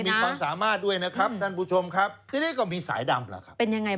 คือกินข้าวนี่มันก็กินเทอร์เทนคนหรือไงเนี่ยเห็นไหม